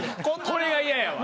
これが嫌やわ。